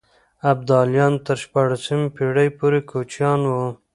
ابداليان تر شپاړسمې پېړۍ پورې کوچيان وو.